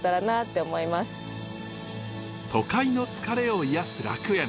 都会の疲れを癒やす楽園。